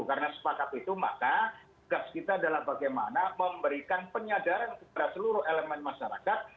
karena sepakat itu maka gas kita adalah bagaimana memberikan penyadaran kepada seluruh elemen masyarakat